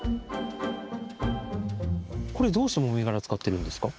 これどうしてもみ殻使ってるんですか？